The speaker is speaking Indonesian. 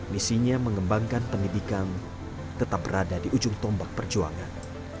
misinya mengembangkan pendidikan tetap berada di ujung tombak perjuangan